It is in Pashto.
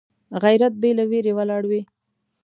غیرت بې له ویرې ولاړ وي